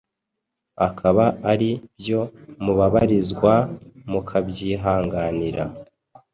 akaba ari byo mubabarizwa, mukabyihanganira,